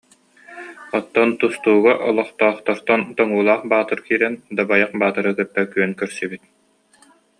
Оттон тустууга олохтоохтортон Тоҥуулаах Баатыр киирэн Дабайах Баатыры кытта күөн көрсүбүт